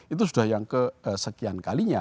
itu sudah yang kesekian kalinya